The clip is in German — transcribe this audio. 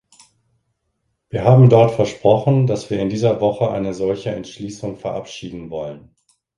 Wir haben dort versprochen, dass wir in dieser Woche eine solche Entschließung verabschieden wollen.